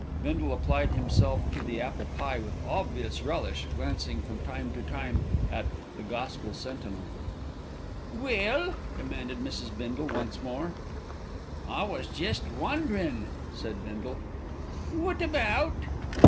Bindle applied himself to the apple pie with obvious relish, glancing from time to time at The Gospel Sentinel. "Well?" demanded Mrs. Bindle once more. "I was jest wonderin'," said Bindle. "What about?"